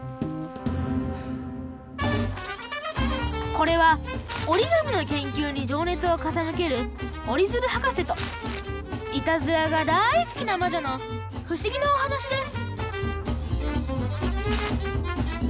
これは折り紙の研究に情熱を傾ける折鶴博士といたずらがだい好きな魔女の不思議なお話です